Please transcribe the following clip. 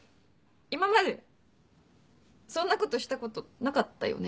今までそんなことしたことなかったよね？